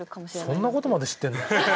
そんな事まで知ってるんだ。